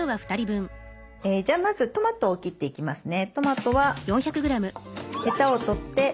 じゃあまずトマトを切っていきますね。